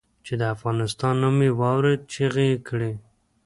چې د افغانستان نوم یې واورېد چیغې یې کړې.